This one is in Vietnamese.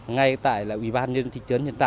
ngay tại ủy ban nhân thị trấn mường lát